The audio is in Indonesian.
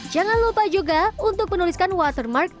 jangan lupa juga untuk menuliskan watermark